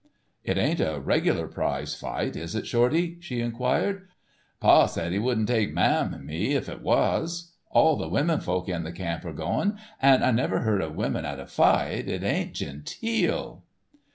"It ain't a regular prize fight, is it, Shorty?" she enquired. "Pa said he wouldn't take ma an' me if it was. All the women folk in the camp are going, an' I never heard of women at a fight, it ain't genteel."